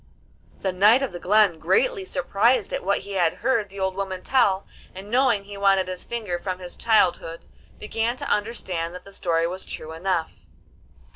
The Knight of the Glen, greatly surprised at what he had heard the old woman tell, and knowing he wanted his finger from his childhood, began to understand that the story was true enough.